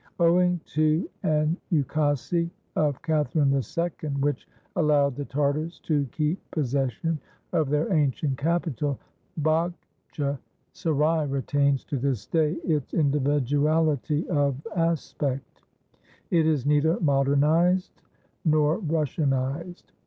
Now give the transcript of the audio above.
Owing to an ukase of Catherine II., which allowed the Tartars to keep possession of their ancient capital, Bagtche Serai retains to this day its individuality of aspect. It is neither modernized nor Russianized.